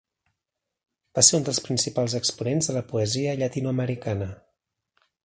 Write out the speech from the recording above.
Va ser un dels principals exponents de la poesia llatinoamericana.